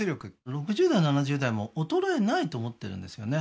６０代７０代も衰えないと思ってるんですよね